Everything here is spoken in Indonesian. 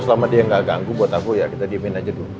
selama dia nggak ganggu buat aku ya kita diemin aja dulu